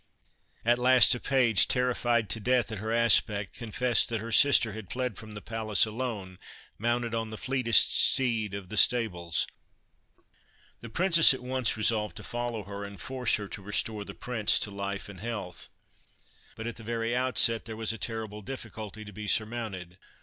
At last a page, terrified to death at her aspect, confessed that her sister had fled from the palace alone, mounted on the fleetest steed of the stables. The Princess at once resolved to follow her and force her to 1 66 THE FIRE BIRD restore the Prince to life and health. But, at the very outset, there was a terrible difficulty to be surmounted.